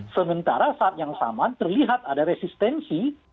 sementara saat yang sama terlihat ada resistensi